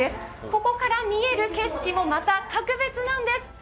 ここから見える景色もまた格別なんです。